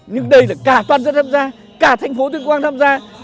nhưng đây là cả toàn dân tham gia cả thành phố tuyên quang tham gia